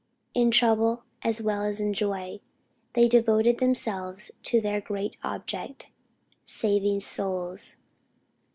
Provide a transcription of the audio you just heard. In trouble as well as in joy, they devoted themselves to their great object saving souls.